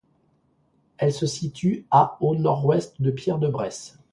Elle se situe à au nord-ouest de Pierre-de-Bresse.